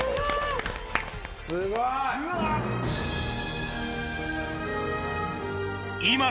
すごい！